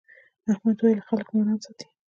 احمد وويل: خلک ماران ساتي.